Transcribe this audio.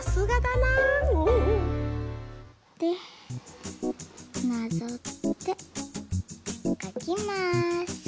なぞってかきます。